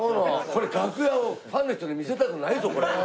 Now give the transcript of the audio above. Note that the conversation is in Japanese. これ楽屋ファンの人に見せたくないぞこれ。